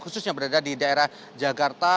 khususnya berada di daerah jakarta